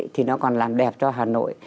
thì nó còn làm đẹp cho hà nội